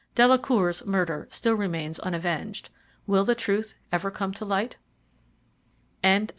Delacour's murder still remains unavenged. Will the truth ever come to light? Chapter V.